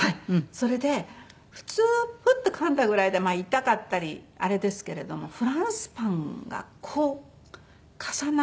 それで普通フッとかんだぐらいでは痛かったりあれですけれどもフランスパンがこう重なって硬い所が。